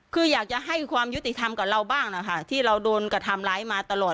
คืออยากจะให้ความยุติธรรมกับเราบ้างนะคะที่เราโดนกระทำร้ายมาตลอด